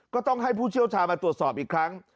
ก็ต้องให้ผู้เชี่ยวชาญมาตรวจสอบอีกครั้ง